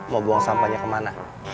mau buang sampahnya kemana